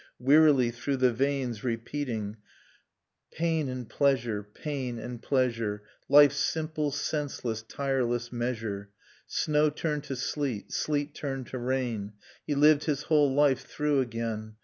Wearily through the veins repeating Nocturne of Remembered Spring Pain and pleasure, pain and pleasure, Life's simple, senseless, tireless measure. Snow turned to sleet, sleet turned to rain. He lived his whole life through again.